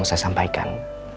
mau saya sampaikan